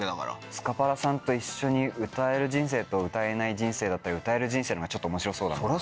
スカパラさんと一緒に歌える人生と歌えない人生だったら歌える人生のほうがちょっと面白そうだもんね。